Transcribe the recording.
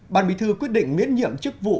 ban bí thư quyết định miễn nhiệm chức vụ